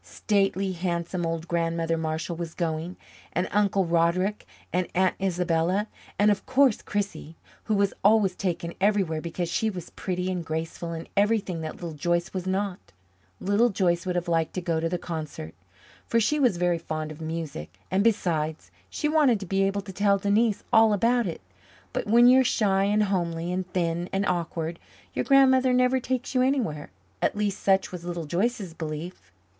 Stately, handsome old Grandmother Marshall was going, and Uncle Roderick and Aunt Isabella, and of course Chrissie, who was always taken everywhere because she was pretty and graceful, and everything that Little Joyce was not. Little Joyce would have liked to go to the concert, for she was very fond of music; and, besides, she wanted to be able to tell Denise all about it. But when you are shy and homely and thin and awkward, your grandmother never takes you anywhere. At least, such was Little Joyce's belief.